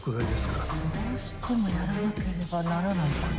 どうしてもやらなければならないこと。